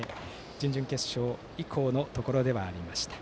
準々決勝以降のところでした。